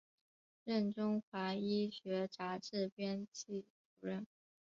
任中华医学杂志编辑主任。